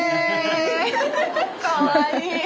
かわいい。